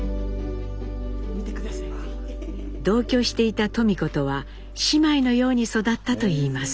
同居していた登美子とは姉妹のように育ったといいます。